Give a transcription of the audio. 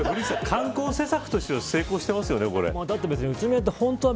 観光政策として成功してますよね。